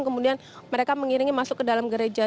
kemudian mereka mengiringi masuk ke dalam gereja